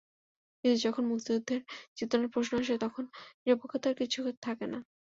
কিন্তু যখন মুক্তিযুদ্ধের চেতনার প্রশ্ন আসে, তখন নিরপেক্ষতার কিছু থাকে না।